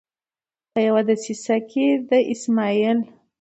په یوه دسیسه کې د اسمعیل